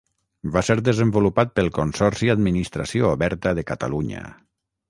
Va ser desenvolupat pel Consorci Administració Oberta de Catalunya.